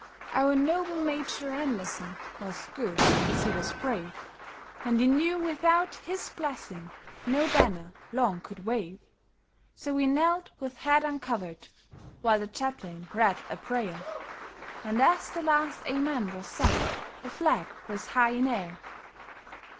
Our noble Major Anderson was good as he was brave. And he knew without His blessing no banner long could wave ; So he knelt, with head uncovered, while the chaplain read a prayer, And as the last amen was said, the flag rose high in air.